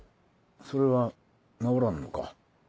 それは治らんのか？